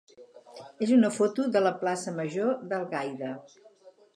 és una foto de la plaça major d'Algaida.